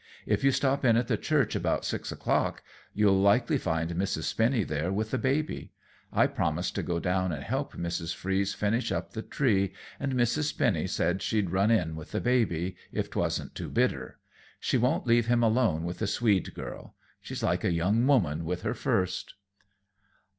If you stop in at the church about six o'clock, you'll likely find Mrs. Spinny there with the baby. I promised to go down and help Mrs. Freeze finish up the tree, and Mrs. Spinny said she'd run in with the baby, if 't wasn't too bitter. She won't leave him alone with the Swede girl. She's like a young woman with her first."